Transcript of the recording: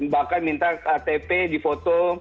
bahkan minta ktp di foto